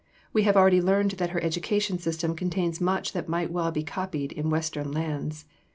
We have already learned that her educational system contains much that might well be copied in Western lands.